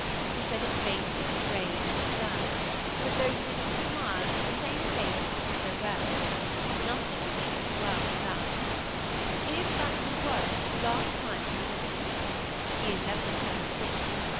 He said his face looked grave and stern; but though he did not smile, it was the same face he knew so well. Nothing would make him swerve from that. If that were he, it was the last time he was seen. He has never been heard of since.